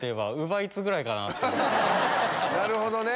なるほどね。